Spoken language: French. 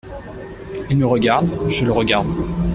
Il me regarde, je le regarde…